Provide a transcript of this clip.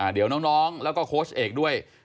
เดี๋ยวน้องแล้วก็โค้ชเอกด้วย